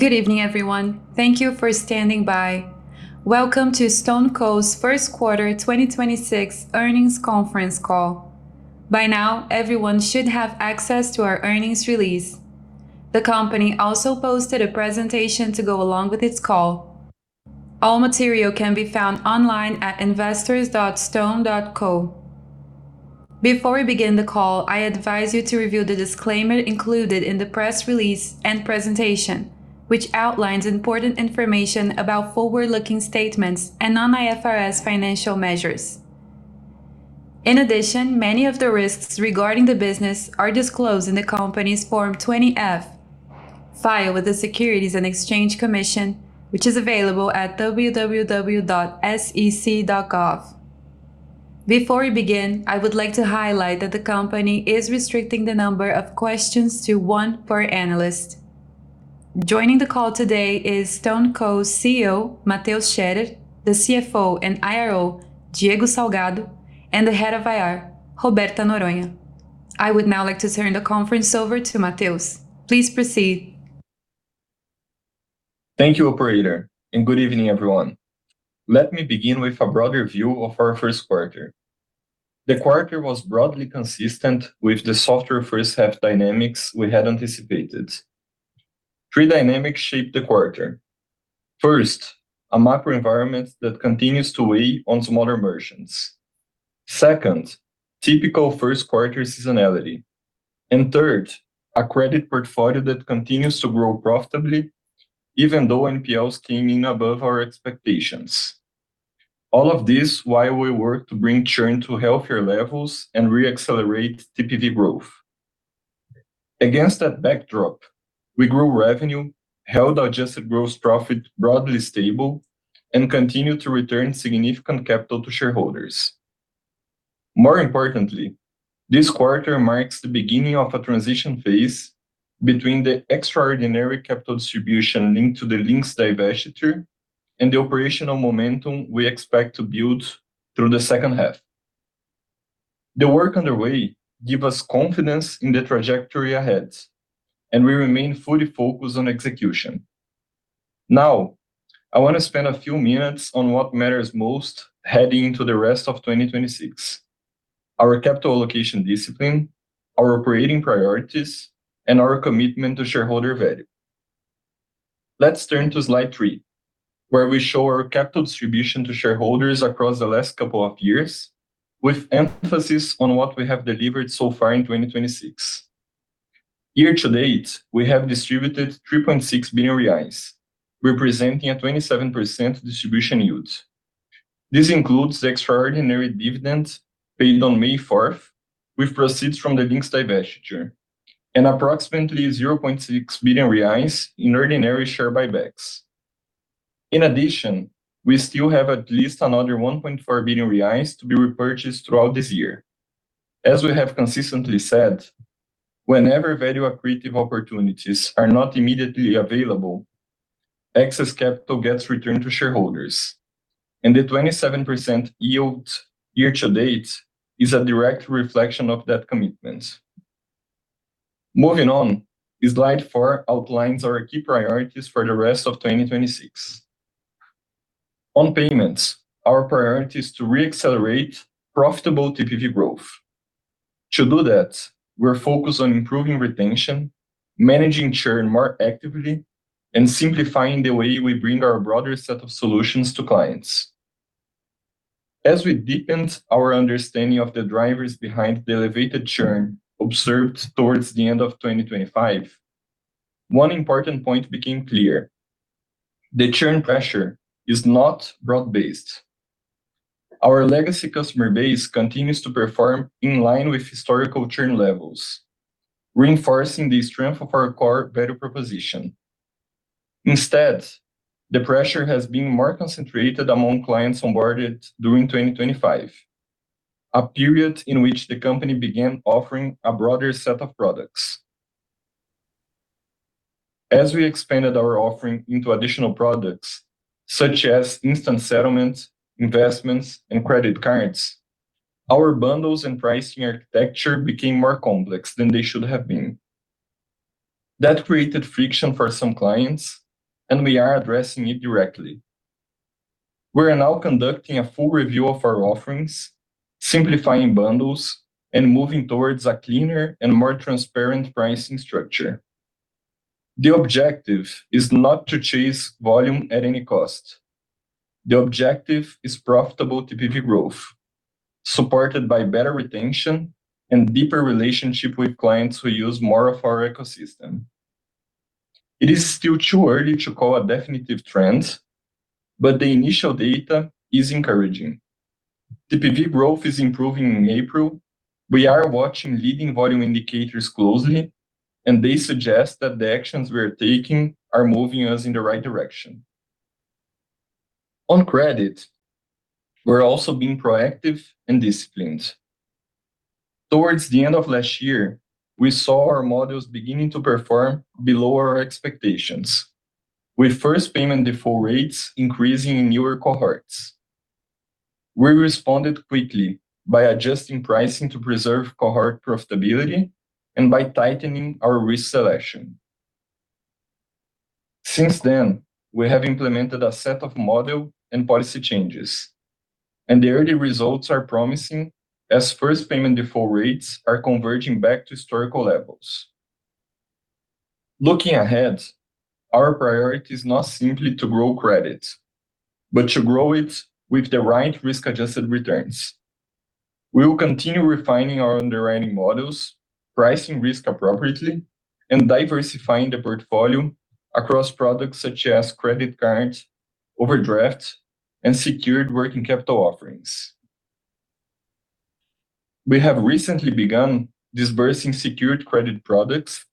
Good evening, everyone. Thank you for standing by. Welcome to StoneCo's first quarter 2026 earnings conference call. By now, everyone should have access to our earnings release. The company also posted a presentation to go along with its call. All material can be found online at investors.stone.co. Before we begin the call, I advise you to review the disclaimer included in the press release and presentation, which outlines important information about forward-looking statements and non-IFRS financial measures. Many of the risks regarding the business are disclosed in the company's Form 20-F, filed with the Securities and Exchange Commission, which is available at www.sec.gov. Before we begin, I would like to highlight that the company is restricting the number of questions to 1 per analyst. Joining the call today is StoneCo's CEO, Mateus Scherer, the CFO and IRO, Diego Salgado, and the Head of IR, Roberta Noronha. I would now like to turn the conference over to Mateus. Please proceed. Thank you, operator, and good evening, everyone. Let me begin with a broad review of our first quarter. The quarter was broadly consistent with the softer first half dynamics we had anticipated. Three dynamics shaped the quarter. First, a macro environment that continues to weigh on smaller merchants. Second, typical first quarter seasonality. Third, a credit portfolio that continues to grow profitably even though NPLs came in above our expectations. All of this while we work to bring churn to healthier levels and re-accelerate TPV growth. Against that backdrop, we grew revenue, held our adjusted gross profit broadly stable, and continued to return significant capital to shareholders. More importantly, this quarter marks the beginning of a transition phase between the extraordinary capital distribution linked to the Linx divestiture and the operational momentum we expect to build through the second half. The work underway give us confidence in the trajectory ahead, and we remain fully focused on execution. I want to spend a few minutes on what matters most heading into the rest of 2026: our capital allocation discipline, our operating priorities, and our commitment to shareholder value. Let's turn to slide three, where we show our capital distribution to shareholders across the last couple of years with emphasis on what we have delivered so far in 2026. Year-to-date, we have distributed 3.6 billion reais, representing a 27% distribution yield. This includes the extraordinary dividend paid on May fourth with proceeds from the Linx divestiture and approximately 0.6 billion reais in ordinary share buybacks. In addition, we still have at least another 1.4 billion reais to be repurchased throughout this year. As we have consistently said, whenever value accretive opportunities are not immediately available, excess capital gets returned to shareholders, and the 27% yield year-to-date is a direct reflection of that commitment. Moving on, slide four outlines our key priorities for the rest of 2026. On payments, our priority is to re-accelerate profitable TPV growth. To do that, we're focused on improving retention, managing churn more actively, and simplifying the way we bring our broader set of solutions to clients. As we deepened our understanding of the drivers behind the elevated churn observed towards the end of 2025 one important point became clear: the churn pressure is not broad-based. Our legacy customer base continues to perform in line with historical churn levels, reinforcing the strength of our core value proposition. Instead, the pressure has been more concentrated among clients onboarded during 2025, a period in which the company began offering a broader set of products. As we expanded our offering into additional products, such as instant settlement, investments, and credit cards, our bundles and pricing architecture became more complex than they should have been. That created friction for some clients, and we are addressing it directly. We are now conducting a full review of our offerings, simplifying bundles, and moving towards a cleaner and more transparent pricing structure. The objective is not to chase volume at any cost. The objective is profitable TPV growth, supported by better retention and deeper relationship with clients who use more of our ecosystem. It is still too early to call a definitive trend, but the initial data is encouraging. TPV growth is improving in April. We are watching leading volume indicators closely. They suggest that the actions we are taking are moving us in the right direction. On credit, we are also being proactive and disciplined. Towards the end of last year, we saw our models beginning to perform below our expectations, with first payment default rates increasing in newer cohorts. We responded quickly by adjusting pricing to preserve cohort profitability and by tightening our risk selection. Since then, we have implemented a set of model and policy changes. The early results are promising as first payment default rates are converging back to historical levels. Looking ahead, our priority is not simply to grow credit, but to grow it with the right risk-adjusted returns. We will continue refining our underwriting models, pricing risk appropriately, and diversifying the portfolio across products such as credit cards, overdrafts, and secured working capital offerings. We have recently begun disbursing secured credit products,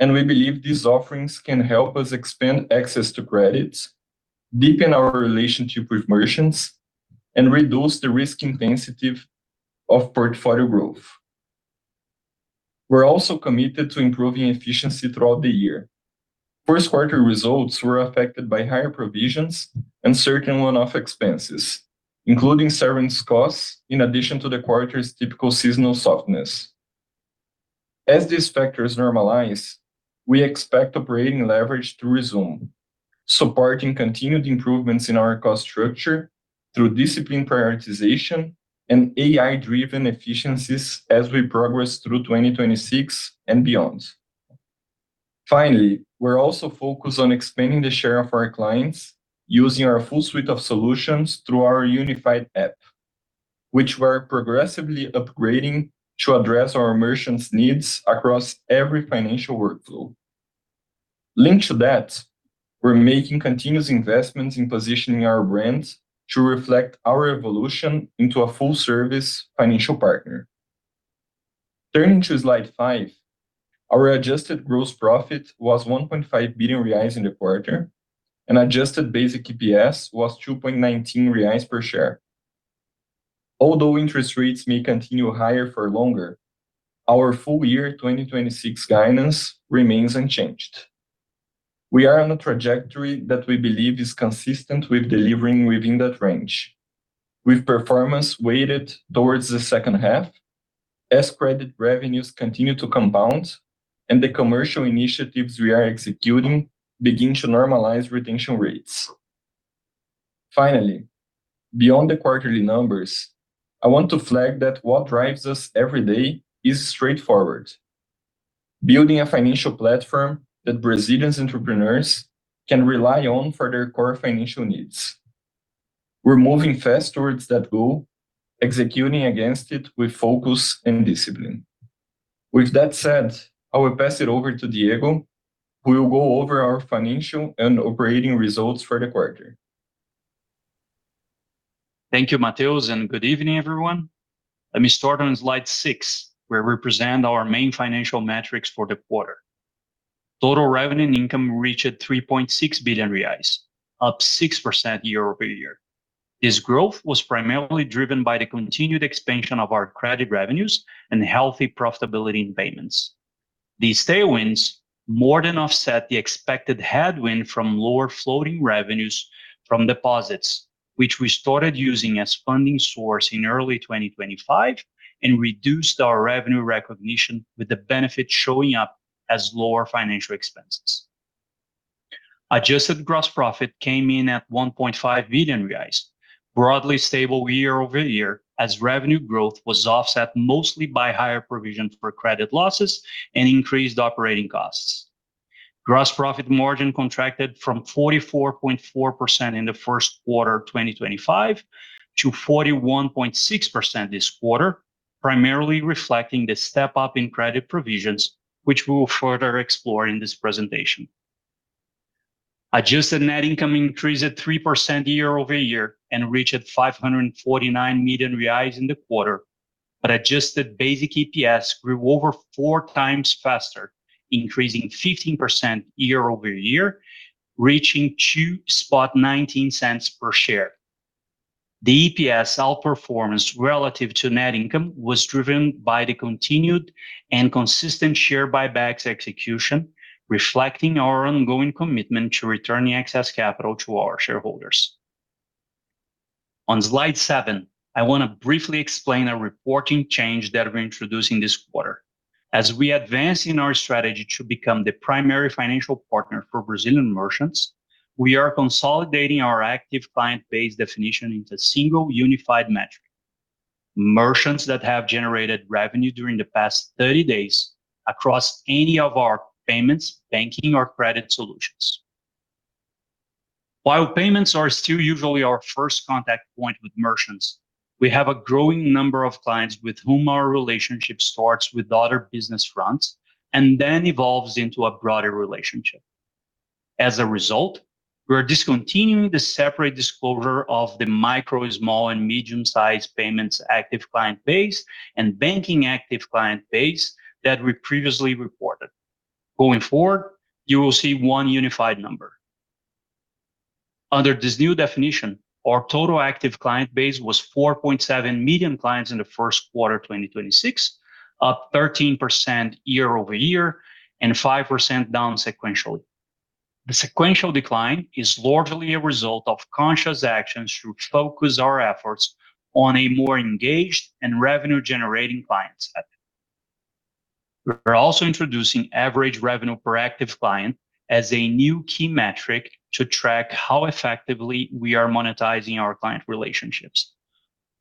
and we believe these offerings can help us expand access to credits, deepen our relationship with merchants, and reduce the risk intensity of portfolio growth. We're also committed to improving efficiency throughout the year. First quarter results were affected by higher provisions and certain one-off expenses, including severance costs in addition to the quarter's typical seasonal softness. As these factors normalize, we expect operating leverage to resume, supporting continued improvements in our cost structure through disciplined prioritization and AI-driven efficiencies as we progress through 2026 and beyond. Finally, we're also focused on expanding the share of our clients using our full suite of solutions through our unified app, which we're progressively upgrading to address our merchants' needs across every financial workflow. Linked to that, we're making continuous investments in positioning our brand to reflect our evolution into a full-service financial partner. Turning to slide five, our adjusted gross profit was 1.5 billion reais in the quarter, and adjusted basic EPS was 2.19 reais per share. Although interest rates may continue higher for longer, our full-year 2026 guidance remains unchanged. We are on a trajectory that we believe is consistent with delivering within that range, with performance weighted towards the second half as credit revenues continue to compound and the commercial initiatives we are executing begin to normalize retention rates. Finally, beyond the quarterly numbers, I want to flag that what drives us every day is straightforward: building a financial platform that Brazilian entrepreneurs can rely on for their core financial needs. We're moving fast towards that goal, executing against it with focus and discipline. With that said, I will pass it over to Diego, who will go over our financial and operating results for the quarter. Thank you, Mateus, and good evening, everyone. Let me start on slide six, where we present our main financial metrics for the quarter. Total revenue and income reached 3.6 billion reais, up 6% year-over-year. This growth was primarily driven by the continued expansion of our credit revenues and healthy profitability in payments. These tailwinds more than offset the expected headwind from lower floating revenues from deposits, which we started using as funding source in early 2025 and reduced our revenue recognition with the benefit showing up as lower financial expenses. Adjusted gross profit came in at 1.5 billion reais, broadly stable year-over-year as revenue growth was offset mostly by higher provisions for credit losses and increased operating costs. Gross profit margin contracted from 44.4% in the first quarter 2025 to 41.6% this quarter, primarily reflecting the step-up in credit provisions, which we will further explore in this presentation. Adjusted net income increased at 3% year-over-year and reached 549 million reais in the quarter. Adjusted basic EPS grew over 4x faster, increasing 15% year-over-year, reaching 2.19 per share. The EPS outperformance relative to net income was driven by the continued and consistent share buybacks execution, reflecting our ongoing commitment to returning excess capital to our shareholders. On slide seven, I want to briefly explain a reporting change that we're introducing this quarter. As we advance in our strategy to become the primary financial partner for Brazilian merchants, we are consolidating our active client base definition into a single unified metric. Merchants that have generated revenue during the past 30 days across any of our payments, banking or credit solutions. While payments are still usually our first contact point with merchants, we have a growing number of clients with whom our relationship starts with other business fronts and then evolves into a broader relationship. As a result, we are discontinuing the separate disclosure of the micro, small, and medium-sized payments active client base and banking active client base that we previously reported. Going forward, you will see one unified number. Under this new definition, our total active client base was 4.7 million clients in the first quarter 2026, up 13% year-over-year and 5% down sequentially. The sequential decline is largely a result of conscious actions to focus our efforts on a more engaged and revenue-generating clients. We're also introducing average revenue per active client as a new key metric to track how effectively we are monetizing our client relationships.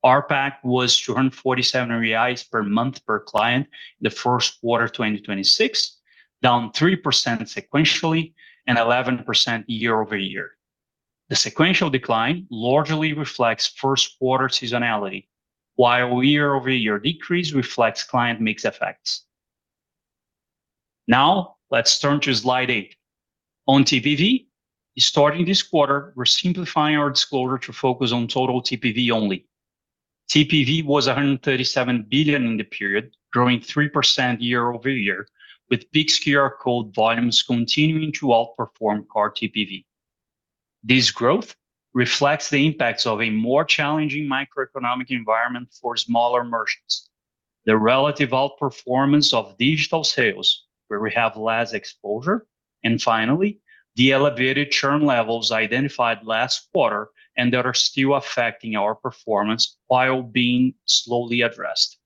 ARPAC was 247 reais per month per client the first quarter 2026, down 3% sequentially and 11% year-over-year. The sequential decline largely reflects first quarter seasonality, while year-over-year decrease reflects client mix effects. Let's turn to slide eight. On TPV, starting this quarter, we're simplifying our disclosure to focus on total TPV only. TPV was 137 billion in the period, growing 3% year-over-year, with Pix QR code volumes continuing to outperform our TPV. This growth reflects the impacts of a more challenging microeconomic environment for smaller merchants, the relative outperformance of digital sales where we have less exposure, and finally, the elevated churn levels identified last quarter and that are still affecting our performance while being slowly addressed.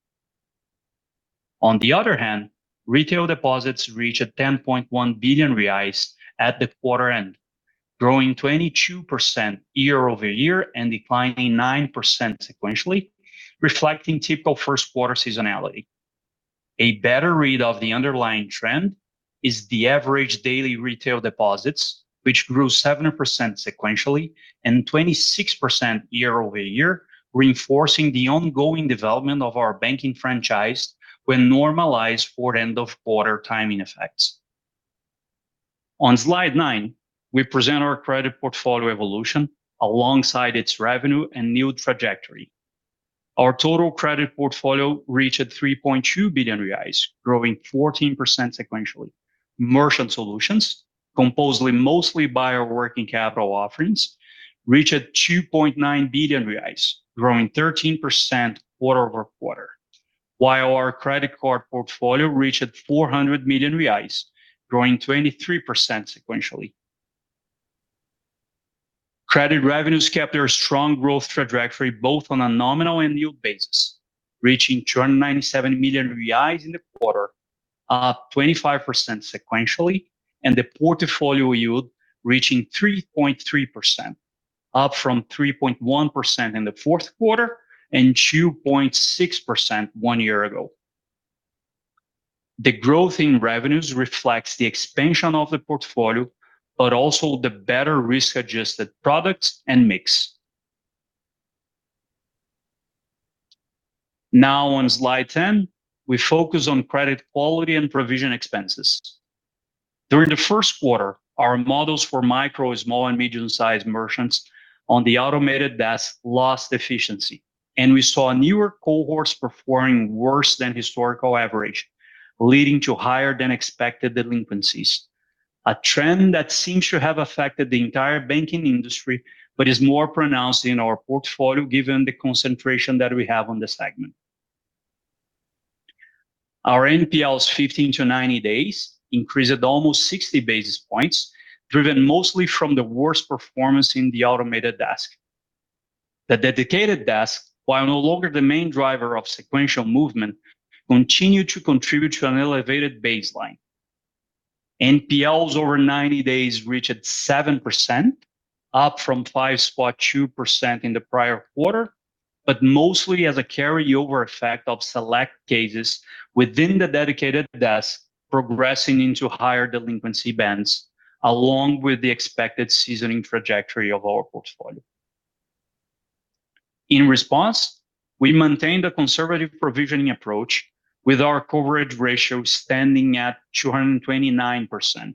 Retail deposits reached 10.1 billion reais at the quarter end, growing 22% year-over-year and declining 9% sequentially, reflecting typical first quarter seasonality. A better read of the underlying trend is the average daily retail deposits, which grew 7% sequentially and 26% year-over-year, reinforcing the ongoing development of our banking franchise when normalized for end of quarter timing effects. On slide nine, we present our credit portfolio evolution alongside its revenue and NII trajectory. Our total credit portfolio reached 3.2 billion reais, growing 14% sequentially. Merchant solutions, composed mostly by our working capital offerings, reached 2.9 billion reais, growing 13% quarter-over-quarter. While our credit card portfolio reached 400 million reais, growing 23% sequentially. Credit revenues kept their strong growth trajectory both on a nominal and yield basis, reaching 297 million reais in the quarter, up 25% sequentially, and the portfolio yield reaching 3.3%, up from 3.1% in the fourth quarter and 2.6% one year ago. The growth in revenues reflects the expansion of the portfolio, but also the better risk-adjusted products and mix. Now on slide ten, we focus on credit quality and provision expenses. During the first quarter, our models for micro, small, and medium-sized merchants on the automated desk lost efficiency, and we saw newer cohorts performing worse than historical average, leading to higher than expected delinquencies, a trend that seems to have affected the entire banking industry but is more pronounced in our portfolio given the concentration that we have on the segment. Our NPLs 15-90 days increased almost 60 basis points, driven mostly from the worst performance in the automated desk. The dedicated desk, while no longer the main driver of sequential movement, continued to contribute to an elevated baseline. NPLs over 90 days reached 7%, up from 5.2% in the prior quarter, but mostly as a carryover effect of select cases within the dedicated desk progressing into higher delinquency bands, along with the expected seasoning trajectory of our portfolio. In response, we maintained a conservative provisioning approach with our coverage ratio standing at 229%.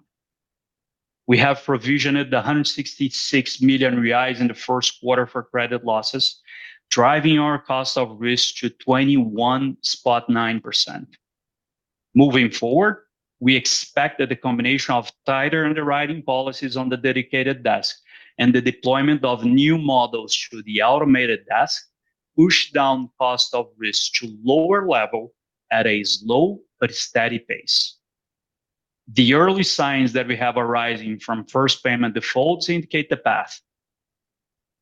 We have provisioned 166 million reais in the first quarter for credit losses, driving our cost of risk to 21.9%. Moving forward, we expect that the combination of tighter underwriting policies on the dedicated desk and the deployment of new models to the automated desk push down cost of risk to lower level at a slow but steady pace. The early signs that we have arising from first payment defaults indicate the path.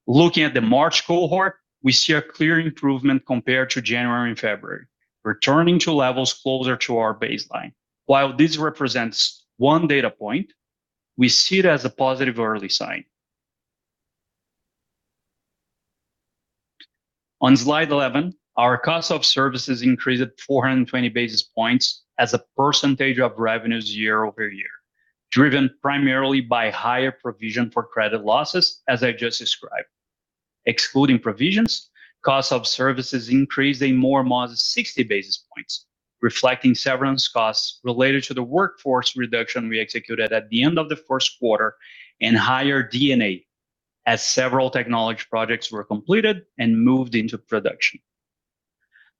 Looking at the March cohort, we see a clear improvement compared to January and February, returning to levels closer to our baseline. While this represents one data point, we see it as a positive early sign. On slide 11, our cost of services increased 420 basis points as a percentage of revenues year-over-year, driven primarily by higher provision for credit losses, as I just described. Excluding provisions, cost of services increased a more modest 60 basis points, reflecting severance costs related to the workforce reduction we executed at the end of the first quarter and higher D&A as several technology projects were completed and moved into production.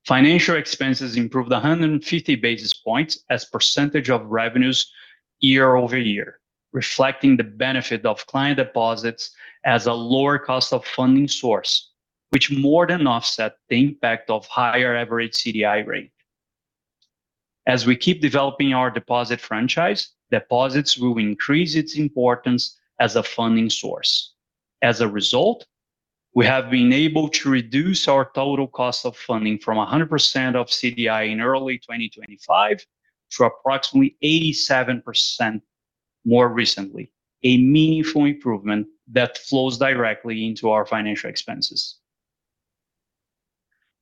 Financial expenses improved 150 basis points as percentage of revenues year-over-year, reflecting the benefit of client deposits as a lower cost of funding source, which more than offset the impact of higher average CDI rate. As we keep developing our deposit franchise, deposits will increase its importance as a funding source. As a result, we have been able to reduce our total cost of funding from 100% of CDI in early 2025 to approximately 87% more recently, a meaningful improvement that flows directly into our financial expenses.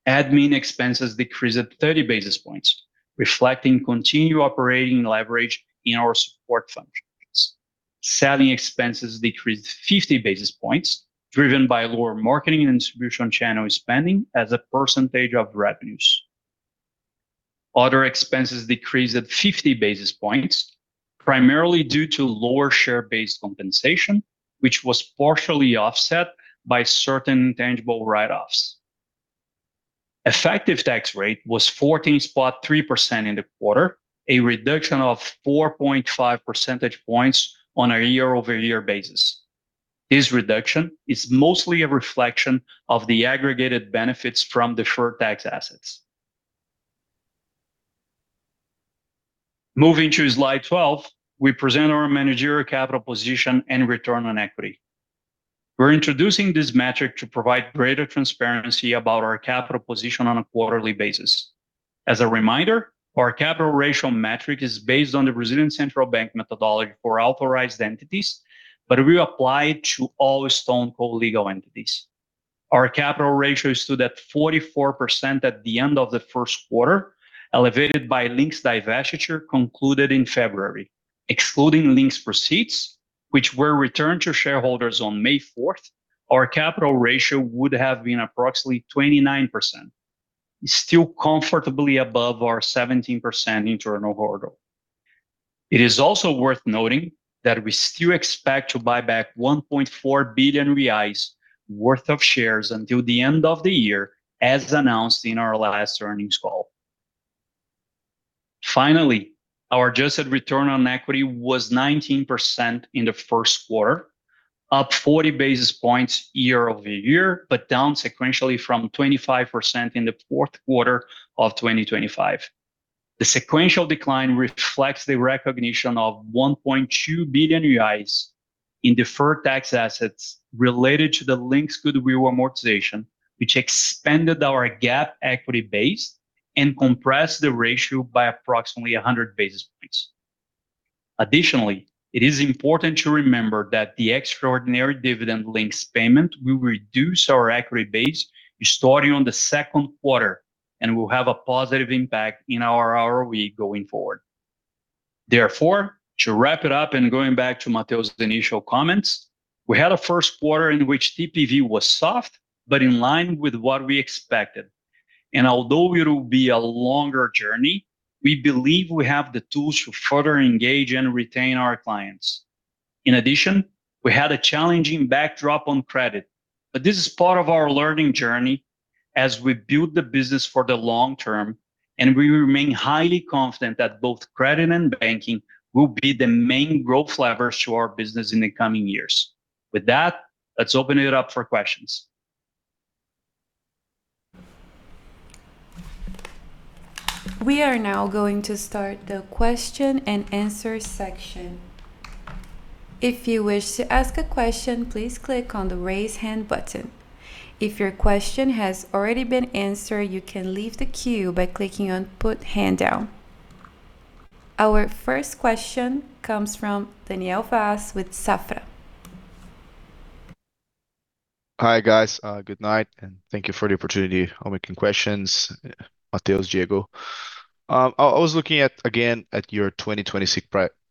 Admin expenses decreased 30 basis points, reflecting continued operating leverage in our support functions. Selling expenses decreased 50 basis points, driven by lower marketing and distribution channel spending as a percentage of revenues. Other expenses decreased at 50 basis points, primarily due to lower share-based compensation, which was partially offset by certain tangible write-offs. Effective tax rate was 14.3% in the quarter, a reduction of 4.5 percentage points on a year-over-year basis. This reduction is mostly a reflection of the aggregated benefits from deferred tax assets. Moving to slide 12, we present our managerial capital position and return on equity. We're introducing this metric to provide greater transparency about our capital position on a quarterly basis. As a reminder, our capital ratio metric is based on the Central Bank of Brazil methodology for authorized entities, but we apply it to all StoneCo legal entities. Our capital ratio stood at 44% at the end of the 1st quarter, elevated by Linx divestiture concluded in February. Excluding Linx proceeds, which were returned to shareholders on May 4, our capital ratio would have been approximately 29%. It's still comfortably above our 17% internal hurdle. It is also worth noting that we still expect to buy back 1.4 billion reais worth of shares until the end of the year, as announced in our last earnings call. Finally, our adjusted return on equity was 19% in the first quarter, up 40 basis points year-over-year, but down sequentially from 25% in the fourth quarter of 2025. The sequential decline reflects the recognition of 1.2 billion in deferred tax assets related to the Linx goodwill amortization, which expanded our GAAP equity base and compressed the ratio by approximately 100 basis points. Additionally, it is important to remember that the extraordinary dividend Linx payment will reduce our equity base starting on the second quarter and will have a positive impact in our ROE going forward. Therefore, to wrap it up and going back to Mateus' initial comments, we had a first quarter in which TPV was soft but in line with what we expected. Although it will be a longer journey, we believe we have the tools to further engage and retain our clients. In addition, we had a challenging backdrop on credit, but this is part of our learning journey as we build the business for the long-term, and we remain highly confident that both credit and banking will be the main growth levers to our business in the coming years. With that, let's open it up for questions. We are now going to start the question-and -answer section. If you wish to ask a question, please click on the Raise Hand button. If your question has already been answered, you can leave the queue by clicking on Put Hand down. Our first question comes from Daniel Vaz with Safra. Hi, guys. Good night, and thank you for the opportunity on making questions. Mateus, Diego. I was looking at, again, at your 2026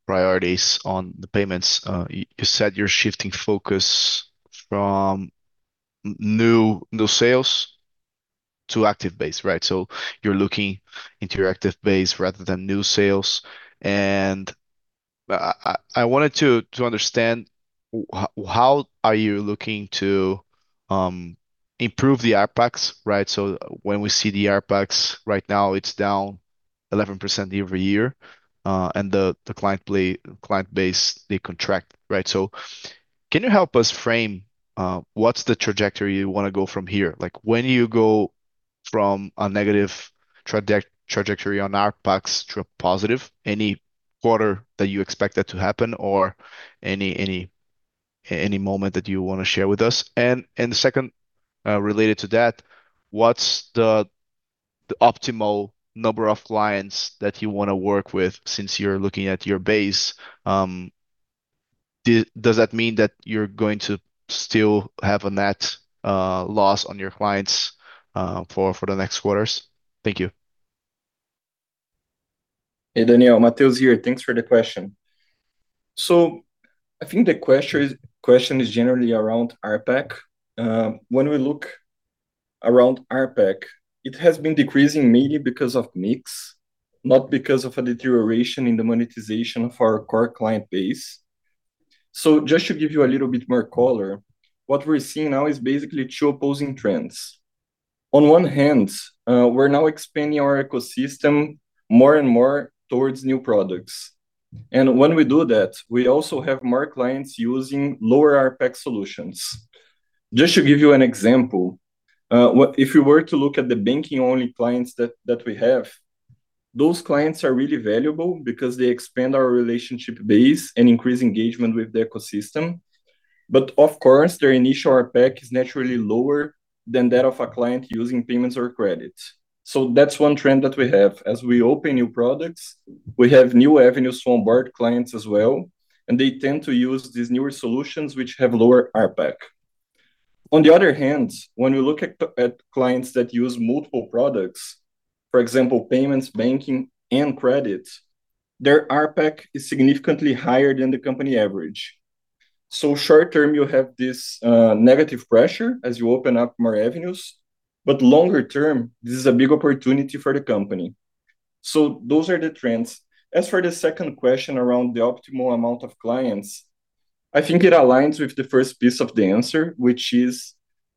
priorities on the payments. You said you're shifting focus from new sales to active base, right? You're looking into your active base rather than new sales. I wanted to understand how are you looking to improve the ARPACs, right? When we see the ARPACs right now it's down 11% year-over-year, and the client base decontract, right? Can you help us frame what's the trajectory you wanna go from here? Like, when you go from a negative trajectory on ARPACs to a positive, any quarter that you expect that to happen or any moment that you wanna share with us? The second, related to that, what's the optimal number of clients that you wanna work with since you're looking at your base? Does that mean that you're going to still have a net loss on your clients for the next quarters? Thank you. Hey, Daniel. Mateus here. Thanks for the question. I think the question is generally around ARPAC. When we look around ARPAC, it has been decreasing mainly because of mix, not because of a deterioration in the monetization for our core client base. Just to give you a little bit more color, what we're seeing now is basically two opposing trends. On one hand, we're now expanding our ecosystem more and more towards new products. When we do that, we also have more clients using lower ARPAC solutions. Just to give you an example, what if you were to look at the banking-only clients that we have, those clients are really valuable because they expand our relationship base and increase engagement with the ecosystem. Of course, their initial ARPAC is naturally lower than that of a client using payments or credits. That's one trend that we have. As we open new products, we have new avenues to onboard clients as well, and they tend to use these newer solutions which have lower ARPAC. On the other hand, when we look at clients that use multiple products, for example, payments, banking and credits, their ARPAC is significantly higher than the company average. Short-term, you have this negative pressure as you open up more avenues, but longer term, this is a big opportunity for the company. Those are the trends. As for the second question around the optimal amount of clients, I think it aligns with the first piece of the answer, which is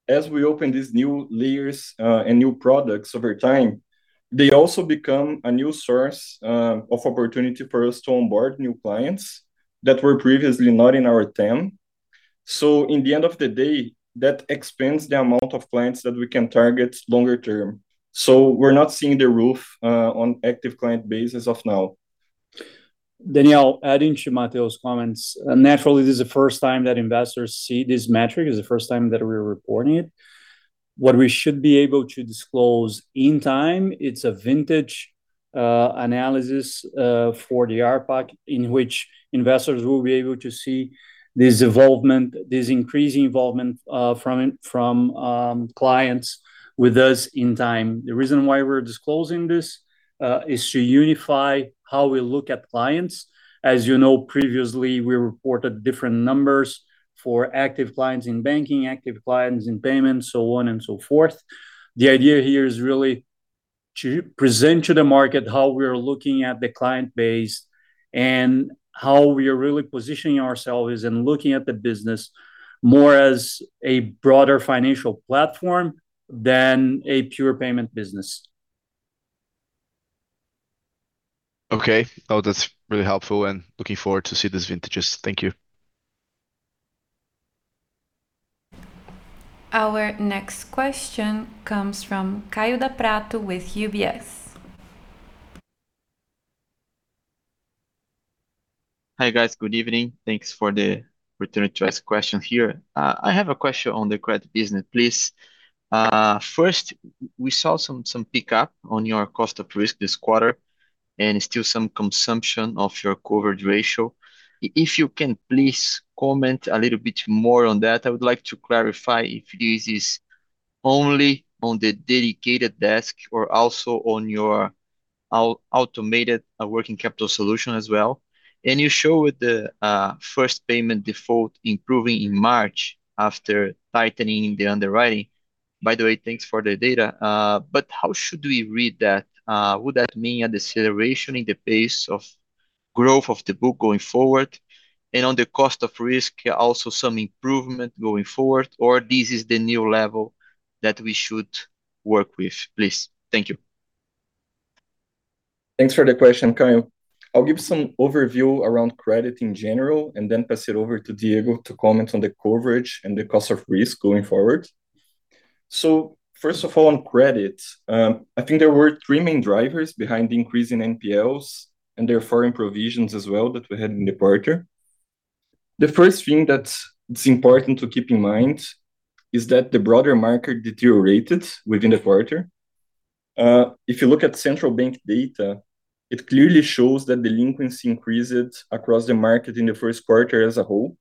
as we open these new layers and new products over time, they also become a new source of opportunity for us to onboard new clients that were previously not in our team. In the end of the day, that expands the amount of clients that we can target longer term. We're not seeing the roof on active client base as of now. Daniel, adding to Mateus's comments, naturally, this is the first time that investors see this metric. It's the first time that we're reporting it. What we should be able to disclose in time, it's a vintage analysis for the ARPAC in which investors will be able to see this evolvement, this increasing evolvement from clients with us in time. The reason why we're disclosing this is to unify how we look at clients. As you know, previously, we reported different numbers for active clients in banking, active clients in payments, so on and so forth. The idea here is really to present to the market how we are looking at the client base and how we are really positioning ourselves and looking at the business more as a broader financial platform than a pure payment business. Okay. Oh, that's really helpful and looking forward to see these vintages. Thank you. Our next question comes from Caio da Prata with UBS. Hi, guys. Good evening. Thanks for the opportunity to ask question here. I have a question on the credit business, please. First, we saw some pickup on your cost of risk this quarter and still some consumption of your coverage ratio. If you can please comment a little bit more on that. I would like to clarify if this is only on the dedicated desk or also on your automated working capital solution as well. You showed the first payment default improving in March after tightening the underwriting. By the way, thanks for the data. How should we read that? Would that mean a deceleration in the pace of growth of the book going forward and on the cost of risk also some improvement going forward, or this is the new level that we should work with, please? Thank you. Thanks for the question, Caio. I'll give some overview around credit in general and then pass it over to Diego to comment on the coverage and the cost of risk going forward. First of all, on credit, I think there were three main drivers behind the increase in NPLs and therefore in provisions as well that we had in the quarter. The first thing that's important to keep in mind is that the broader market deteriorated within the quarter. If you look at Central Bank data, it clearly shows that delinquency increased across the market in the first quarter as a whole.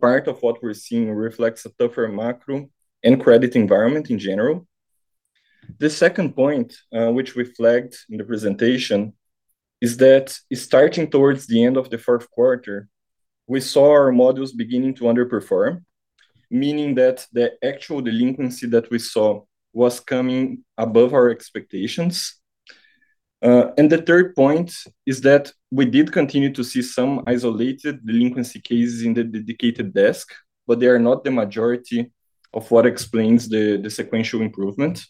Part of what we're seeing reflects a tougher macro and credit environment in general. The second point, which we flagged in the presentation is that starting towards the end of the fourth quarter, we saw our modules beginning to underperform, meaning that the actual delinquency that we saw was coming above our expectations. The third point is that we did continue to see some isolated delinquency cases in the dedicated desk, but they are not the majority of what explains the sequential improvement.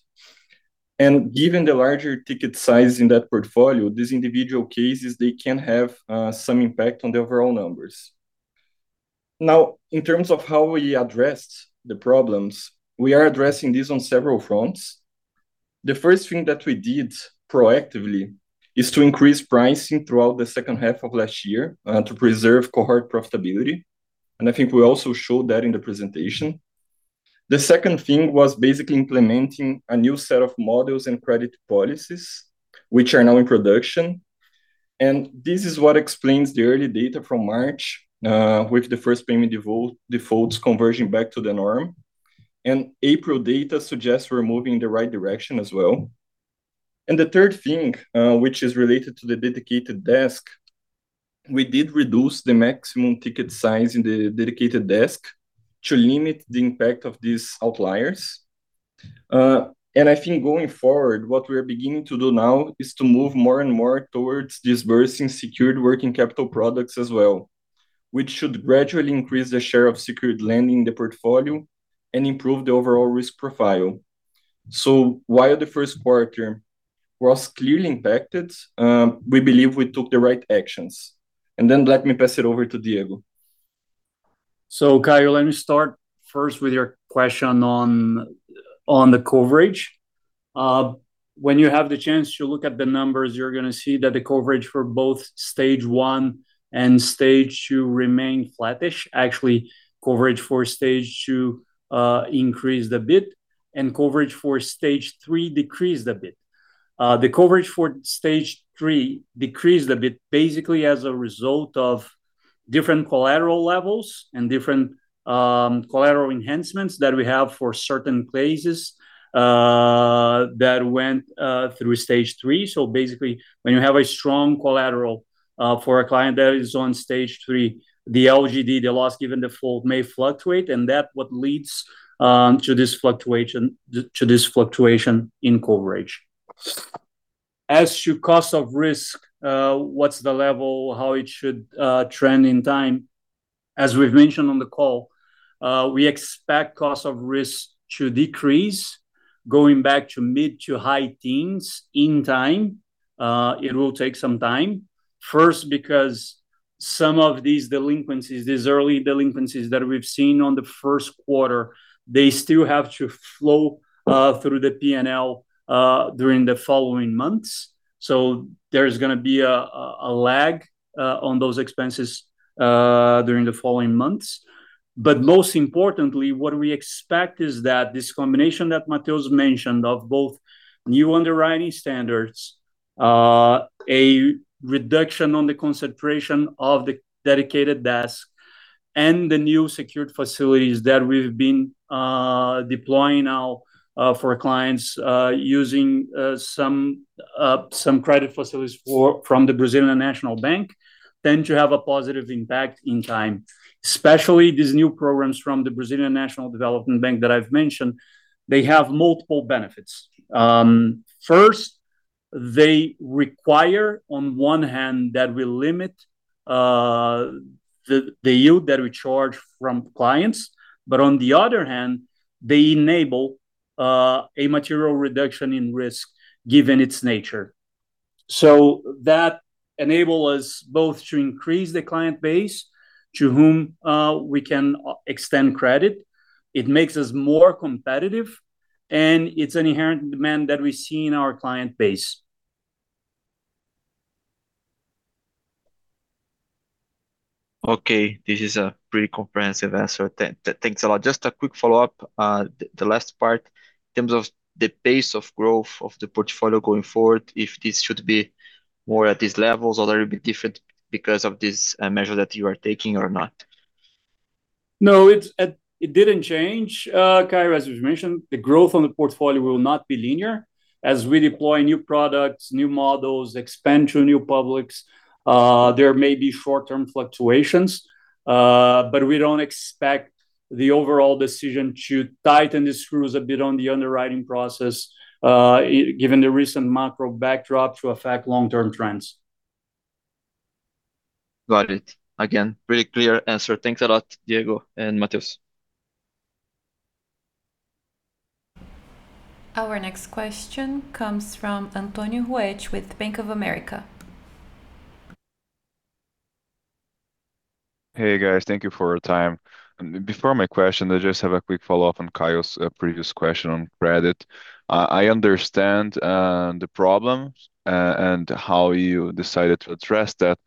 Given the larger ticket size in that portfolio, these individual cases, they can have some impact on the overall numbers. Now, in terms of how we addressed the problems, we are addressing this on several fronts. The first thing that we did proactively is to increase pricing throughout the second half of last year, to preserve cohort profitability, and I think we also showed that in the presentation. The second thing was basically implementing a new set of models and credit policies, which are now in production. This is what explains the early data from March with the first payment defaults conversion back to the norm. April data suggests we're moving in the right direction as well. The third thing, which is related to the dedicated desk, we did reduce the maximum ticket size in the dedicated desk to limit the impact of these outliers. I think going forward, what we are beginning to do now is to move more and more towards disbursing secured working capital products as well, which should gradually increase the share of secured lending in the portfolio and improve the overall risk profile. While the first quarter was clearly impacted, we believe we took the right actions. Let me pass it over to Diego. Caio, let me start first with your question on the coverage. When you have the chance to look at the numbers, you're gonna see that the coverage for both stage one and stage two remain flattish. Actually, coverage for stage two increased a bit, and coverage for stage three decreased a bit. The coverage for stage three decreased a bit basically as a result of different collateral levels and different collateral enhancements that we have for certain places that went through stage three. Basically, when you have a strong collateral for a client that is on stage three, the LGD, the loss given default may fluctuate, and that what leads to this fluctuation in coverage. As to cost of risk, what's the level, how it should trend in time. As we've mentioned on the call, we expect cost of risk to decrease, going back to mid to high teens in time. It will take some time. First, because some of these delinquencies, these early delinquencies that we've seen on the first quarter, they still have to flow through the P&L during the following months, so there is gonna be a lag on those expenses during the following months. Most importantly, what we expect is that this combination that Mateus mentioned of both new underwriting standards, a reduction on the concentration of the dedicated desk and the new secured facilities that we've been deploying now for clients, using some credit facilities from the Brazilian National Development Bank, tend to have a positive impact in time. Especially these new programs from the Brazilian National Development Bank that I've mentioned, they have multiple benefits. First, they require, on one hand, that we limit the yield that we charge from clients. On the other hand, they enable a material reduction in risk given its nature. That enable us both to increase the client base to whom we can extend credit. It makes us more competitive, and it's an inherent demand that we see in our client base. Okay, this is a pretty comprehensive answer. Thanks a lot. Just a quick follow-up, the last part in terms of the pace of growth of the portfolio going forward, if this should be more at these levels or a little bit different because of this measure that you are taking or not? No, it's, it didn't change, Caio. As we've mentioned, the growth on the portfolio will not be linear. As we deploy new products, new models, expand to new publics, there may be short-term fluctuations, but we don't expect the overall decision to tighten the screws a bit on the underwriting process, given the recent macro backdrop to affect long-term trends. Got it. Again, really clear answer. Thanks a lot, Diego and Mateus. Our next question comes from Antonio Ruiz with Bank of America. Hey guys. Thank you for your time. Before my question, I just have a quick follow-up on Caio's previous question on credit. I understand and how you decided to address that,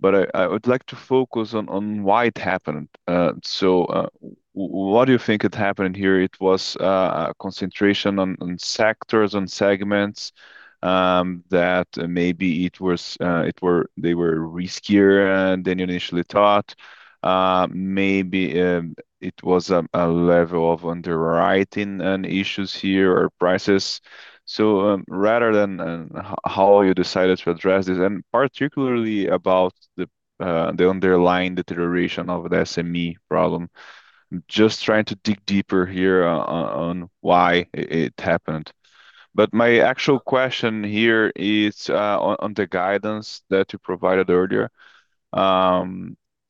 but I would like to focus on why it happened. What do you think had happened here? It was a concentration on sectors, on segments, that maybe they were riskier than you initially thought. Maybe it was a level of underwriting issues here or prices. Rather than how you decided to address this, and particularly about the underlying deterioration of the SME problem, just trying to dig deeper here on why it happened. My actual question here is on the guidance that you provided earlier.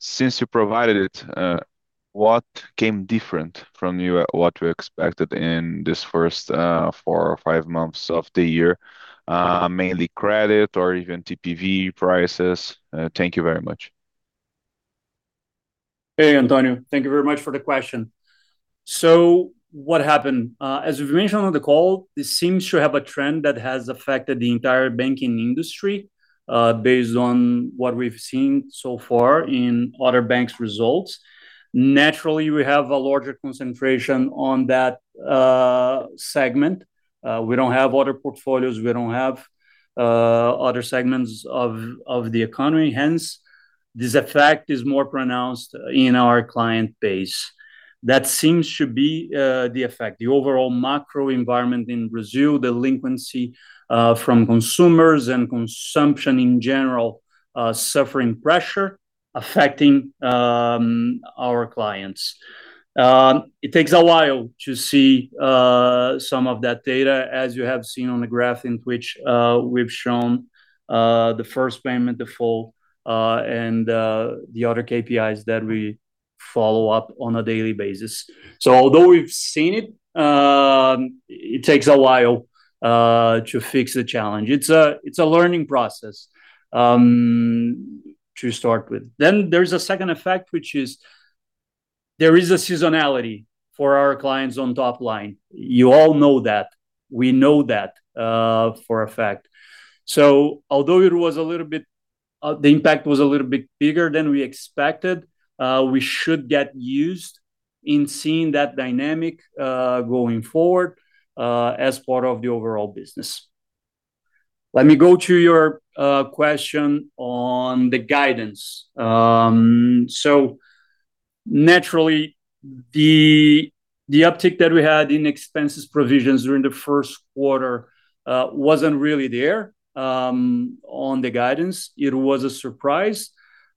Since you provided it, what came different from you, what you expected in this first, four or five months of the year, mainly credit or even TPV prices? Thank you very much. Hey, Antonio. Thank you very much for the question. What happened? As we've mentioned on the call, this seems to have a trend that has affected the entire banking industry, based on what we've seen so far in other banks' results. Naturally, we have a larger concentration on that segment. We don't have other portfolios. We don't have other segments of the economy. This effect is more pronounced in our client base. That seems to be the effect. The overall macro environment in Brazil, delinquency, from consumers and consumption in general, suffering pressure affecting our clients. It takes a while to see some of that data, as you have seen on the graph in which we've shown the first payment default, and the other KPIs that we follow up on a daily basis. Although we've seen it takes a while to fix the challenge. It's a learning process to start with. There's a second effect, which is there is a seasonality for our clients on top line. You all know that. We know that for a fact. Although it was a little bit, the impact was a little bit bigger than we expected, we should get used in seeing that dynamic going forward as part of the overall business. Let me go to your question on the guidance. Naturally the uptick that we had in expenses provisions during the first quarter wasn't really there on the guidance. It was a surprise,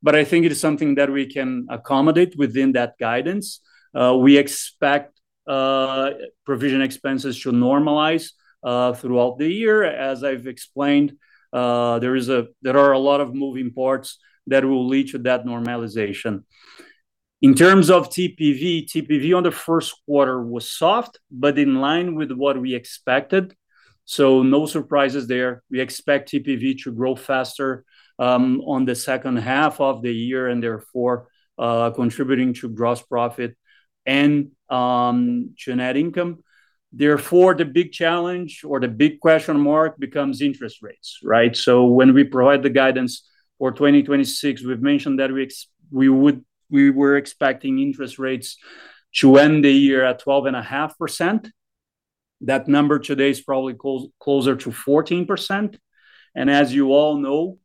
but I think it is something that we can accommodate within that guidance. We expect provision expenses to normalize throughout the year. As I've explained, there are a lot of moving parts that will lead to that normalization. In terms of TPV on the first quarter was soft, but in line with what we expected, so no surprises there. We expect TPV to grow faster on the second half of the year and therefore, contributing to gross profit and to net income. Therefore, the big challenge or the big question mark becomes interest rates, right? When we provide the guidance for 2026, we've mentioned that we were expecting interest rates to end the year at 12.5%. That number today is probably closer to 14%. As you all know,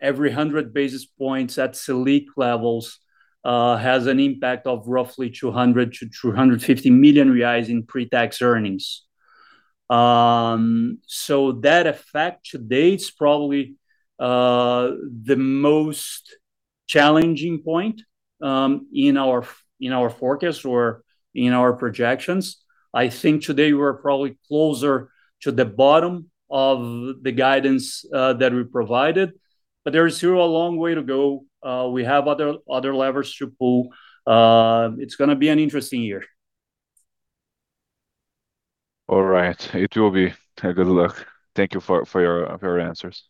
every 100 basis points at Selic levels has an impact of roughly 200 million- 250 million in pre-tax earnings. That effect today is probably the most challenging point in our, in our forecast or in our projections. I think today we're probably closer to the bottom of the guidance that we provided, but there is still a long way to go. We have other levers to pull. It's gonna be an interesting year. All right. It will be. Good luck. Thank you for your answers.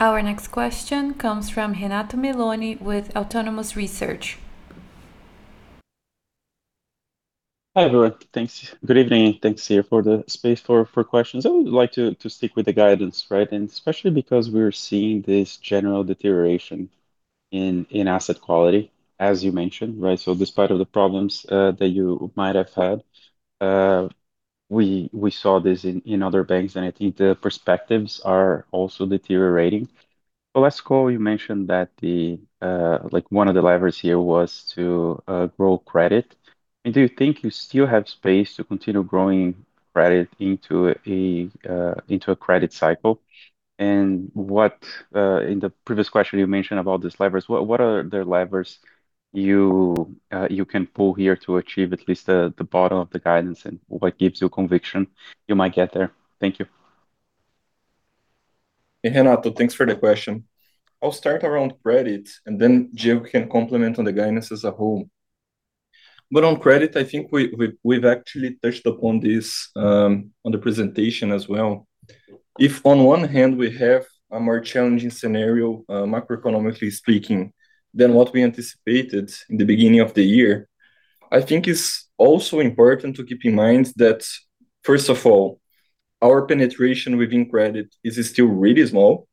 Our next question comes from Renato Meloni with Autonomous Research. Hi, everyone. Thanks. Good evening, and thanks here for the space for questions. I would like to stick with the guidance, right. Especially because we're seeing this general deterioration in asset quality, as you mentioned, right. Despite of the problems that you might have had, we saw this in other banks, and I think the perspectives are also deteriorating. Last call you mentioned that like one of the levers here was to grow credit. Do you think you still have space to continue growing credit into a credit cycle? What in the previous question you mentioned about these levers, what are the levers you can pull here to achieve at least the bottom of the guidance and what gives you conviction you might get there? Thank you. Hey, Renato, thanks for the question. I'll start around credit and then Diego can complement on the guidance as a whole. On credit, I think we've actually touched upon this on the presentation as well. If on one hand we have a more challenging scenario, macroeconomically speaking than what we anticipated in the beginning of the year, I think it's also important to keep in mind that, first of all, our penetration within credit is still really small.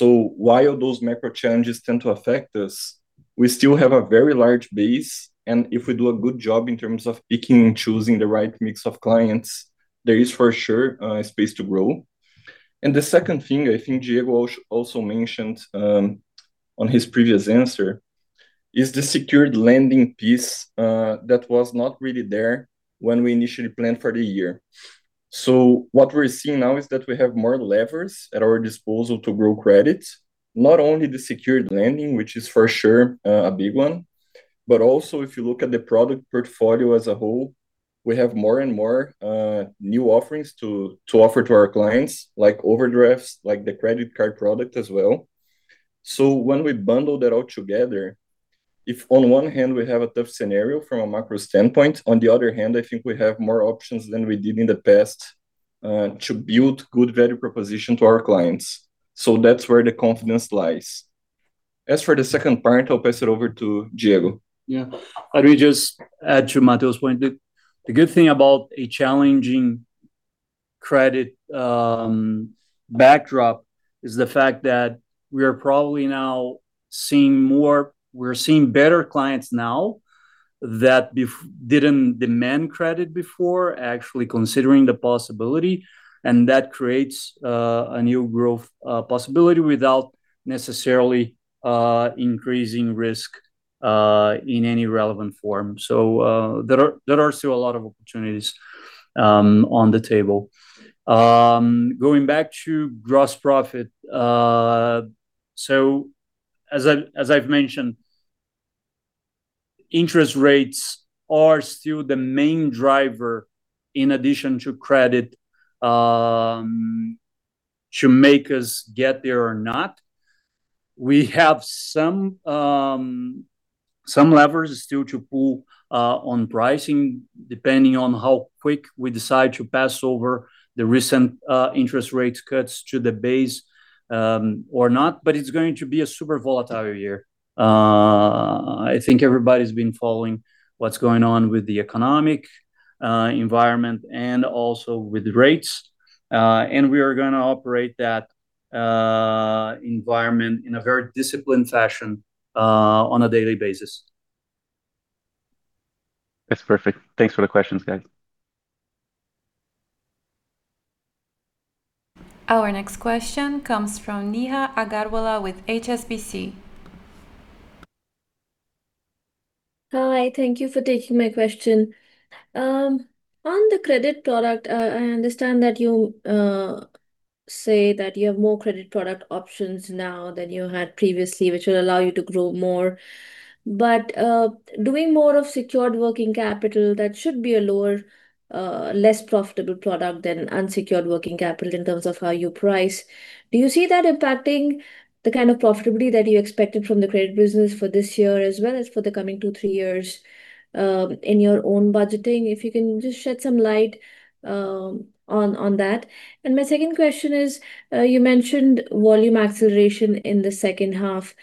While those macro challenges tend to affect us, we still have a very large base, and if we do a good job in terms of picking and choosing the right mix of clients, there is for sure space to grow. The second thing I think Diego also mentioned on his previous answer is the secured lending piece that was not really there when we initially planned for the year. What we're seeing now is that we have more levers at our disposal to grow credit. Not only the secured lending, which is for sure, a big one, but also if you look at the product portfolio as a whole, we have more and more new offerings to offer to our clients, like overdrafts, like the credit card product as well. When we bundle that all together, if on one hand we have a tough scenario from a macro standpoint, on the other hand, I think we have more options than we did in the past to build good value proposition to our clients. That's where the confidence lies. As for the second part, I'll pass it over to Diego. Let me just add to Mateus' point. The good thing about a challenging credit backdrop is the fact that we're seeing better clients now that didn't demand credit before, actually considering the possibility, that creates a new growth possibility without necessarily increasing risk in any relevant form. There are still a lot of opportunities on the table. Going back to gross profit, as I've mentioned, interest rates are still the main driver in addition to credit to make us get there or not. We have some levers still to pull on pricing depending on how quick we decide to pass over the recent interest rates cuts to the base or not. It's going to be a super volatile year. I think everybody's been following what's going on with the economic environment and also with rates. We are gonna operate that environment in a very disciplined fashion on a daily basis. That's perfect. Thanks for the questions, guys. Our next question comes from Neha Agarwala with HSBC. Hi, thank you for taking my question. On the credit product, I understand that you say that you have more credit product options now than you had previously, which will allow you to grow more, but doing more of secured working capital, that should be a lower, less profitable product than unsecured working capital in terms of how you price. Do you see that impacting the kind of profitability that you expected from the credit business for this year as well as for the coming two, three years, in your own budgeting? If you can just shed some light on that. My second question is, you mentioned volume acceleration in the second half.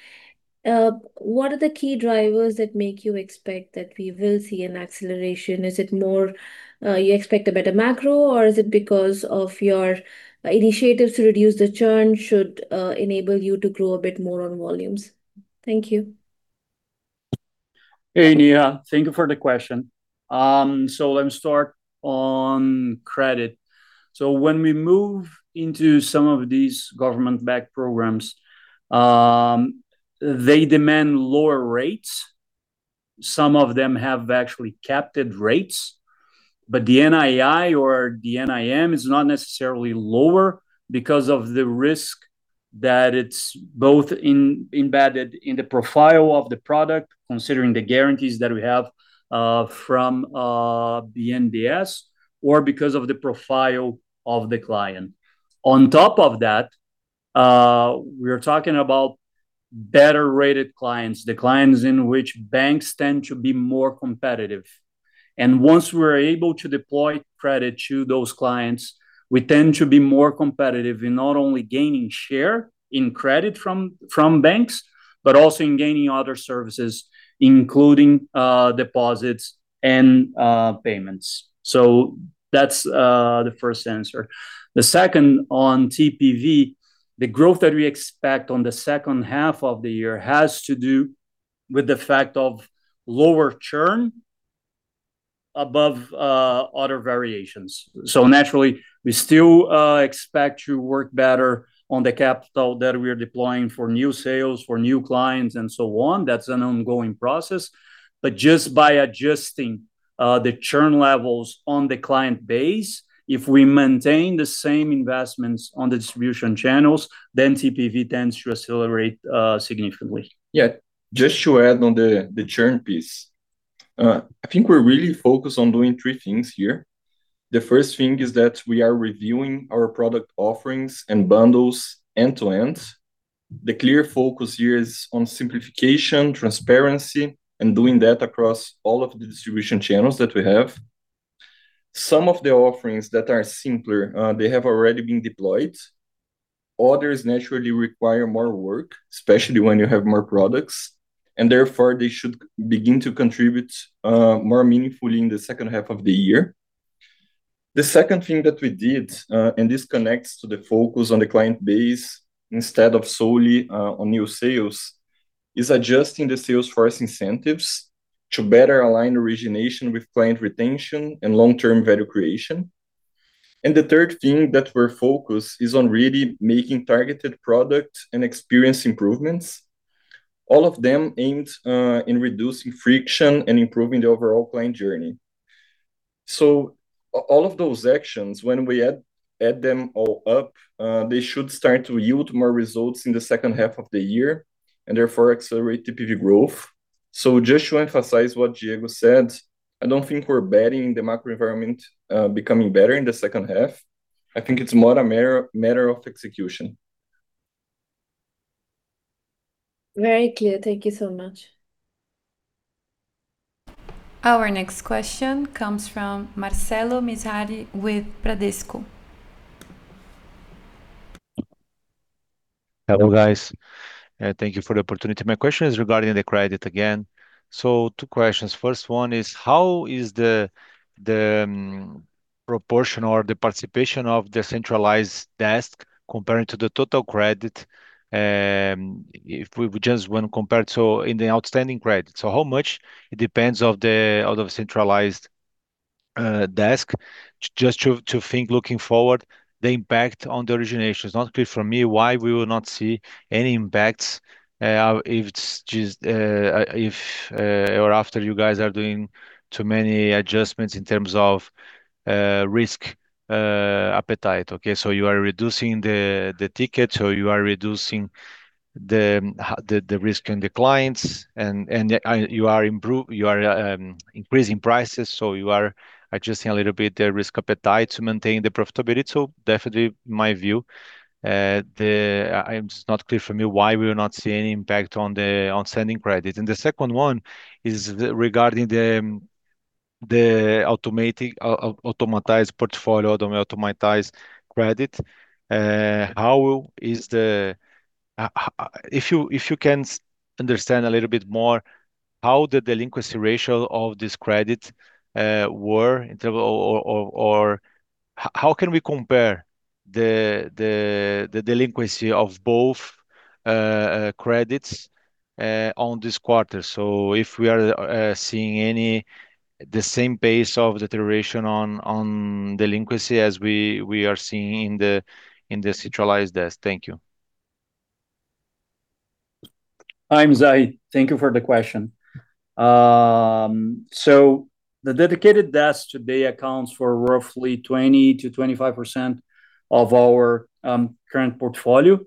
What are the key drivers that make you expect that we will see an acceleration? Is it more, you expect a better macro or is it because of your initiatives to reduce the churn should enable you to grow a bit more on volumes? Thank you. Hey, Neha. Thank you for the question. Let me start on credit. When we move into some of these government-backed programs, they demand lower rates. Some of them have actually capped rates, but the NII or the NIM is not necessarily lower because of the risk that it's embedded in the profile of the product, considering the guarantees that we have from the BNDES or because of the profile of the client. On top of that, we're talking about better rated clients, the clients in which banks tend to be more competitive. Once we're able to deploy credit to those clients, we tend to be more competitive in not only gaining share in credit from banks, but also in gaining other services, including deposits and payments. That's the first answer. The second on TPV, the growth that we expect on the second half of the year has to do with the fact of lower churn above, other variations. Naturally, we still expect to work better on the capital that we are deploying for new sales, for new clients, and so on. That's an ongoing process. Just by adjusting the churn levels on the client base, if we maintain the same investments on the distribution channels, then TPV tends to accelerate significantly. Just to add on the churn piece. I think we're really focused on doing three things here. The first thing is that we are reviewing our product offerings and bundles end to end. The clear focus here is on simplification, transparency, and doing that across all of the distribution channels that we have. Some of the offerings that are simpler, they have already been deployed. Others naturally require more work, especially when you have more products, and therefore, they should begin to contribute more meaningfully in the second half of the year. The second thing that we did, and this connects to the focus on the client base instead of solely on new sales, is adjusting the sales force incentives to better align origination with client retention and long-term value creation. The third thing that we're focused is on really making targeted product and experience improvements, all of them aimed in reducing friction and improving the overall client journey. All of those actions, when we add them all up, they should start to yield more results in the second half of the year, and therefore accelerate TPV growth. Just to emphasize what Diego said, I don't think we're betting the macro environment becoming better in the second half. I think it's more a matter of execution. Very clear. Thank you so much. Our next question comes from Marcelo Mizrahi with Bradesco. Hello, guys. Thank you for the opportunity. My question is regarding the credit again. Two questions. First one is how is the proportion or the participation of the centralized desk comparing to the total credit, if we just want to compare to in the outstanding credit? How much it depends out of centralized desk just to think looking forward the impact on the origination. It's not clear for me why we will not see any impacts, if it's just, or after you guys are doing too many adjustments in terms of risk-appetite, okay? You are reducing the ticket, you are reducing the risk in the clients and you are increasing prices, you are adjusting a little bit the risk appetite to maintain the profitability. Definitely my view. It's not clear for me why we're not seeing impact on the outstanding credit. The second one is regarding the automatized portfolio, the automatized credit. How is the how if you can understand a little bit more how the delinquency ratio of this credit were in term or, how can we compare the delinquency of both credits on this quarter? If we are seeing the same pace of deterioration on delinquency as we are seeing in the centralized desk. Thank you. Hi, Mizrahi. Thank you for the question. The dedicated desk today accounts for roughly 20%-25% of our current portfolio.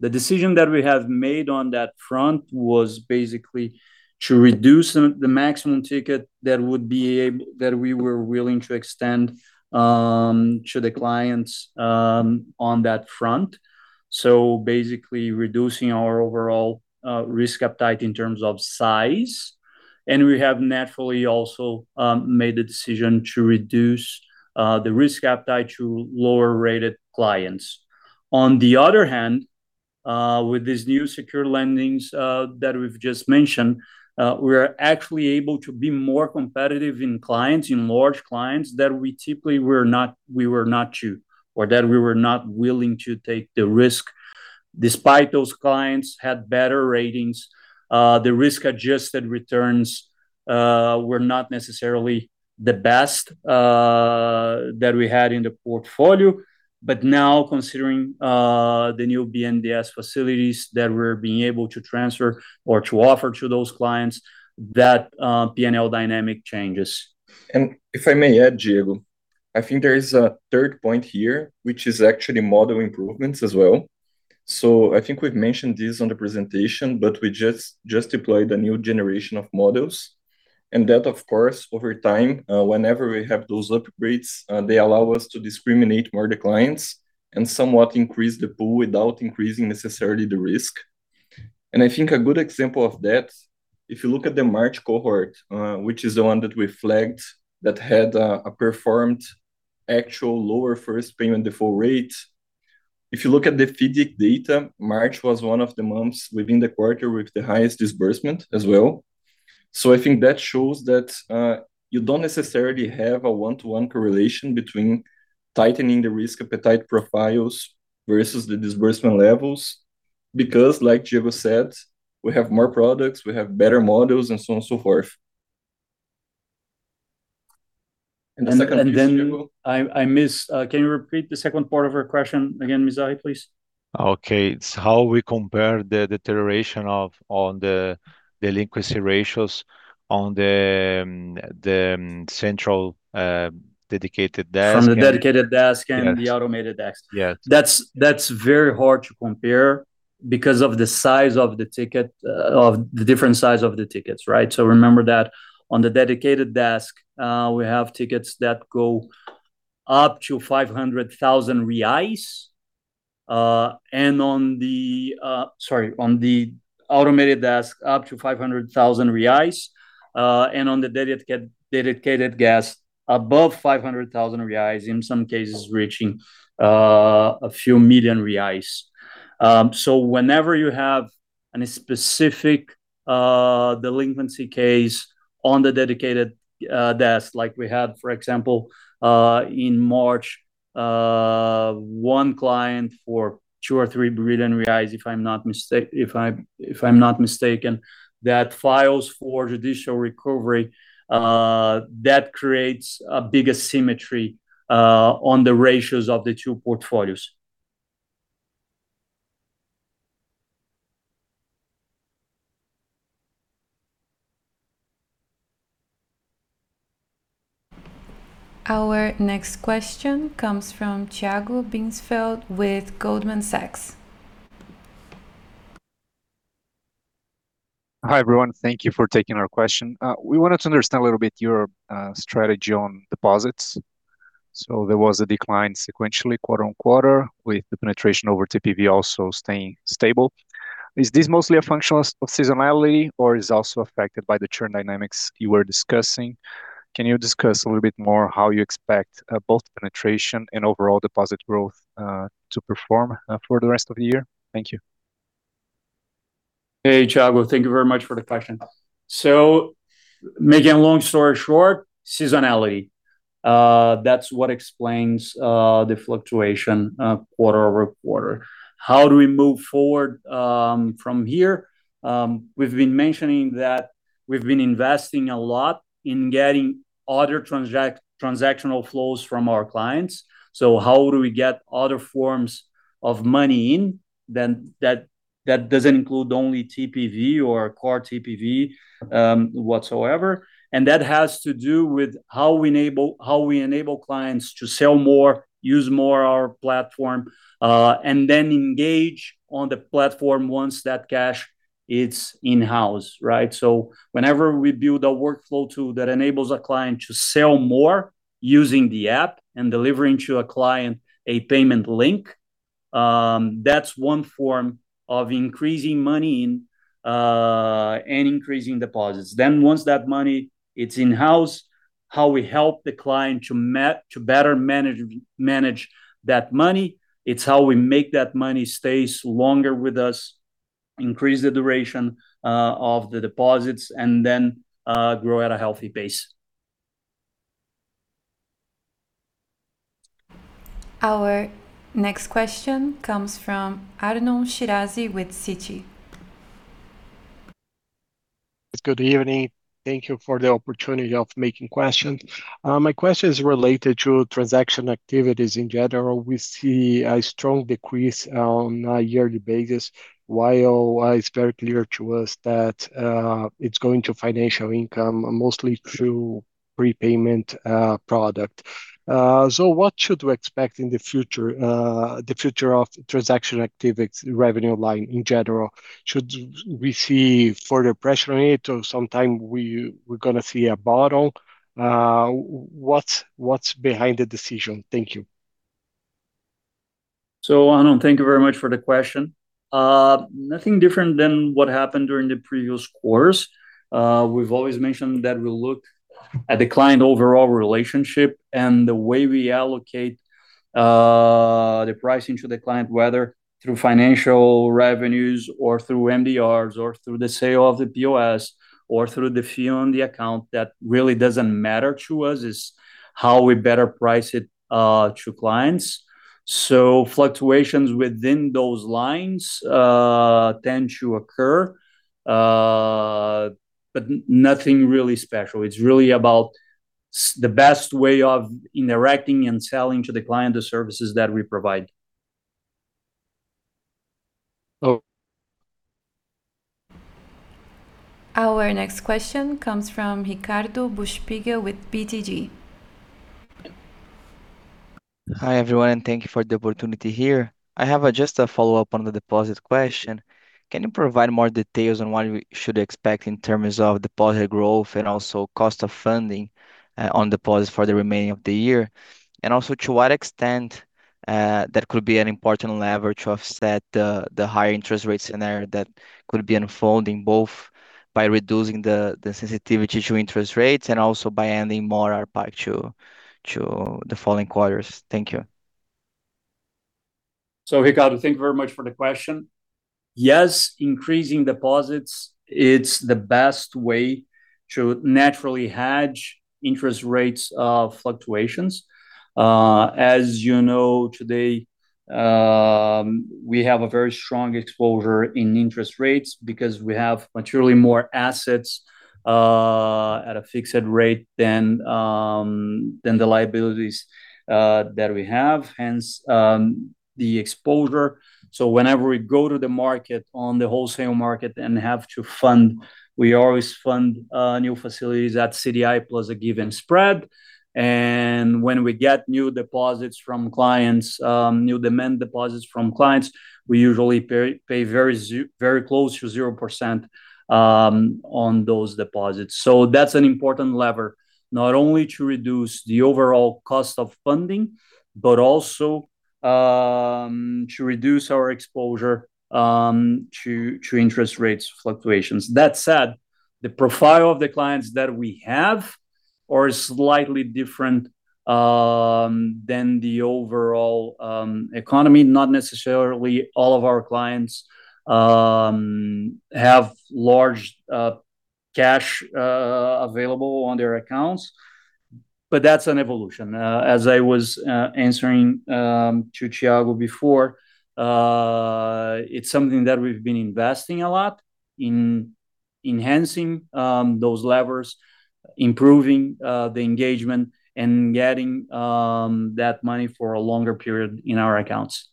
The decision that we have made on that front was basically to reduce the maximum ticket that we were willing to extend to the clients on that front, basically reducing our overall risk appetite in terms of size. We have naturally also made the decision to reduce the risk appetite to lower-rated clients. On the other hand, with these new secure lendings that we've just mentioned, we are actually able to be more competitive in large clients that we typically were not willing to take the risk. Despite those clients had better ratings, the risk-adjusted returns, were not necessarily the best, that we had in the portfolio. Now considering, the new BNDES facilities that we're being able to transfer or to offer to those clients, that P&L dynamic changes. If I may add, Diego, I think there is a third point here, which is actually model improvements as well. I think we've mentioned this on the presentation, but we just deployed a new generation of models, and that, of course, over time, whenever we have those upgrades, they allow us to discriminate more the clients and somewhat increase the pool without increasing necessarily the risk. I think a good example of that, if you look at the March cohort, which is the one that we flagged that had a performed actual lower first payment default rate. If you look at the FIDC data, March was 1 of the months within the quarter with the highest disbursement as well. I think that shows that you don't necessarily have a one-one correlation between tightening the risk appetite profiles versus the disbursement levels because like Diego said, we have more products, we have better models, and so on and so forth. The second piece, Diego. Then I miss, can you repeat the second part of your question again, Mizrahi, please? Okay. It's how we compare the deterioration of, on the delinquency ratios on the central dedicated desk. From the dedicated desk. Yeah The automated desk. Yeah. That's very hard to compare because of the size of the ticket, of the different size of the tickets, right? Remember that on the dedicated desk, we have tickets that go up to 500,000 reais, and on the automated desk, up to 500,000 reais, and on the dedicated desk above 500,000 reais, in some cases reaching a few million BRL. Whenever you have any specific delinquency case on the dedicated desk, like we had, for example, in March, one client for 2 million or 3 million reais if I'm not mistaken, that files for judicial recovery, that creates a big asymmetry on the ratios of the two portfolios. Our next question comes from Tiago Binsfeld with Goldman Sachs. Hi, everyone. Thank you for taking our question. We wanted to understand a little bit your strategy on deposits. There was a decline sequentially quarter-on-quarter with the penetration over TPV also staying stable. Is this mostly a function of seasonality or is it also affected by the churn dynamics you were discussing? Can you discuss a little bit more how you expect both penetration and overall deposit growth to perform for the rest of the year? Thank you. Hey, Tiago. Thank you very much for the question. Making a long story short, seasonality, that's what explains the fluctuation quarter-over-quarter. How do we move forward from here? We've been mentioning that we've been investing a lot in getting other transactional flows from our clients. How do we get other forms of money in than that doesn't include only TPV or core TPV whatsoever, and that has to do with how we enable clients to sell more, use more our platform, and then engage on the platform once that cash is in-house, right? Whenever we build a workflow tool that enables a client to sell more using the app and delivering to a client a payment link, that's one form of increasing money in and increasing deposits. Once that money is in-house, how we help the client to better manage that money, it's how we make that money stays longer with us, increase the duration of the deposits, and then grow at a healthy pace. Our next question comes from Arnon Shirazi with Citi. Yes, good evening. Thank you for the opportunity of making questions. My question is related to transaction activities in general. We see a strong decrease on a yearly basis. While it's very clear to us that it's going to financial income, mostly through prepayment product. What should we expect in the future, the future of transaction activities revenue line in general? Should we see further pressure on it or sometime we're gonna see a bottom? What's behind the decision? Thank you. Arnon, thank you very much for the question. Nothing different than what happened during the previous quarters. We've always mentioned that we look at the client overall relationship and the way we allocate the pricing to the client, whether through financial revenues or through MDRs or through the sale of the POS or through the fee on the account, that really doesn't matter to us. It's how we better price it to clients. Fluctuations within those lines tend to occur. Nothing really special. It's really about the best way of interacting and selling to the client the services that we provide. Oh. Our next question comes from Ricardo Buchpiguel with BTG. Hi, everyone. Thank you for the opportunity here. I have a just a follow-up on the deposit question. Can you provide more details on what we should expect in terms of deposit growth and also cost of funding on deposits for the remaining of the year? Also, to what extent that could be an important lever to offset the high interest rate scenario that could be unfolding, both by reducing the sensitivity to interest rates and also by adding more ARPA to the following quarters? Thank you. Ricardo, thank you very much for the question. Yes, increasing deposits, it's the best way to naturally hedge interest rates fluctuations. As you know, today, we have a very strong exposure in interest rates because we have materially more assets at a fixed rate than the liabilities that we have, hence, the exposure. Whenever we go to the market on the wholesale market and have to fund, we always fund new facilities at CDI plus a given spread. When we get new deposits from clients, new demand deposits from clients, we usually pay very close to 0% on those deposits. That's an important lever, not only to reduce the overall cost of funding, but also to reduce our exposure to interest rates fluctuations. That said, the profile of the clients that we have are slightly different than the overall economy. Not necessarily all of our clients have large cash available on their accounts, but that's an evolution. As I was answering to Tiago before, it's something that we've been investing a lot in enhancing those levers, improving the engagement and getting that money for a longer period in our accounts.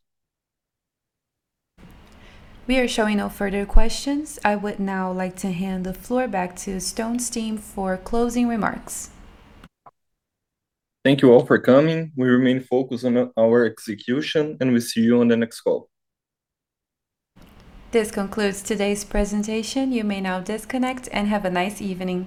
We are showing no further questions. I would now like to hand the floor back to Stone's team for closing remarks. Thank you all for coming. We remain focused on our execution, we'll see you on the next call. This concludes today's presentation. You may now disconnect and have a nice evening.